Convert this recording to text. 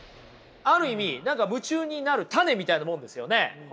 ある意味何か夢中になる種みたいなもんですよね？